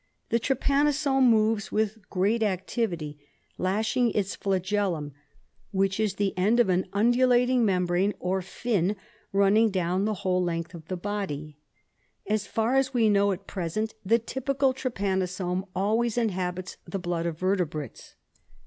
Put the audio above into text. The trypanosome moves with great activity, lashing its flagellwn, which is the end of an undulating membrane or fin running down the whole length of the body. As far as we know at present, the typical trypanosome always inhabits the blood of vertebrates.